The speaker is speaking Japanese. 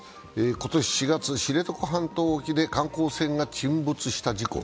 今年４月、知床半島沖で観光船が沈没した事故。